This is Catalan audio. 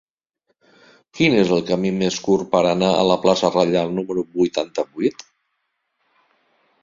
Quin és el camí més curt per anar a la plaça Reial número vuitanta-vuit?